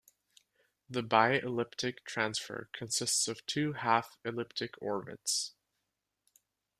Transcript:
The bi-elliptic transfer consists of two half-elliptic orbits.